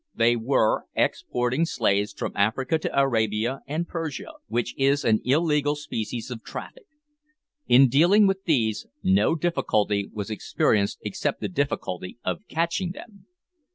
They were exporting slaves from Africa to Arabia and Persia, which is an illegal species of traffic. In dealing with these, no difficulty was experienced except the difficulty of catching them.